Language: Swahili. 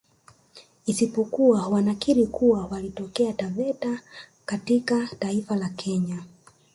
Isipokuwa wanakiri kuwa walitokea Taveta katika taifa la Kenya